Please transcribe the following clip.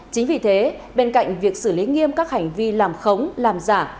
chính vì thế bên cạnh việc xử lý nghiêm các hành vi làm khống làm giả